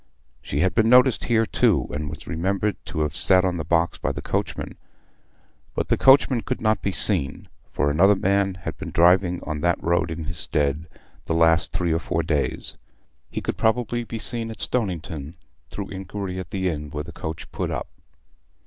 She had been noticed here too, and was remembered to have sat on the box by the coachman; but the coachman could not be seen, for another man had been driving on that road in his stead the last three or four days. He could probably be seen at Stoniton, through inquiry at the inn where the coach put up.